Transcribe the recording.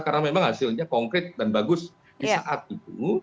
karena memang hasilnya konkret dan bagus di saat itu